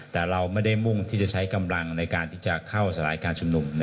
แต่เราไม่ได้มุ่งที่จะใช้กำลังในการที่จะเข้าสลายการชุมนุม